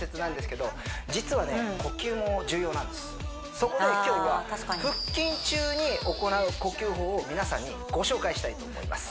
そこで今日は腹筋中に行う呼吸法を皆さんにご紹介したいと思います